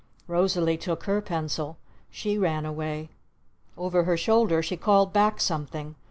Rosalee took her pencil. She ran away. Over her shoulder she called back something.